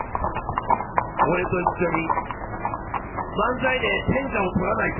俺と一緒に漫才で天下を取らないか？